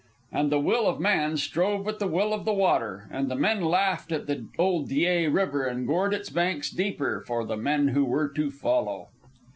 And the will of man strove with the will of the water, and the men laughed at the old Dyea River and gored its banks deeper for the men who were to follow.